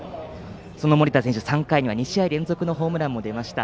その森田選手３回には２試合連続のホームランも出ました。